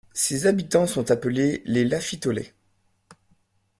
Ses habitants sont appelés les Lafitolais.